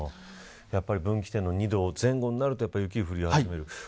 分岐点の２度前後になると雪が降り始める。